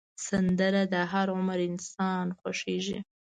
سندره د هر عمر انسان خوښېږي